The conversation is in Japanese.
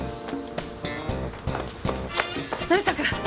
成田君。